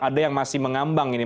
ada yang masih mengambang ini